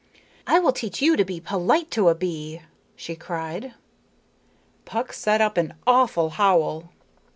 "I will teach you to be polite to a bee," she cried. Puck set up an awful howl.